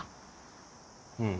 うん